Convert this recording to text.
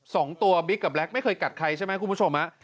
สองตัวบิ๊กกับแล็คไม่เคยกัดใครใช่ไหมคุณผู้ชมฮะ